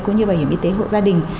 cũng như bảo hiểm y tế hộ gia đình